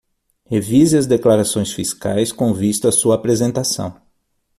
Revise as declarações fiscais com vista à sua apresentação.